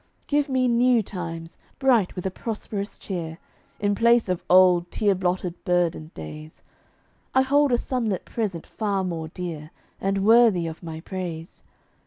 Give me new times, bright with a prosperous cheer, In place of old, tear blotted, burdened days; I hold a sunlit present far more dear, And worthy of my praise.